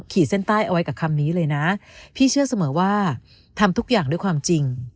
ขีดเส้นใต้เอาไว้กับคำนี้เลยนะพี่เชื่อเสมอว่าทำทุกอย่างด้วยความจริง